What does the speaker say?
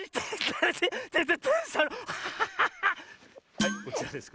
はいこちらです。